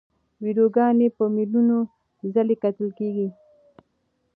ویډیوګانې په میلیونو ځله کتل کېږي.